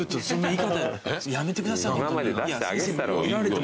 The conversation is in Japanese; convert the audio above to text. やめてくださいって。